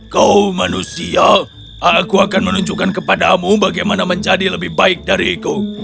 kau manusia aku akan menunjukkan kepadamu bagaimana menjadi lebih baik dariku